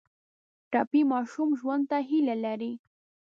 ټپي ماشوم ژوند ته هیله لري.